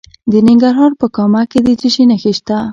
د ننګرهار په کامه کې څه شی شته؟